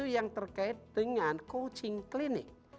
yang terkait dengan coaching clinik